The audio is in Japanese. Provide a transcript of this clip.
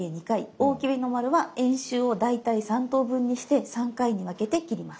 大きめの丸は円周を大体３等分にして３回に分けて切ります。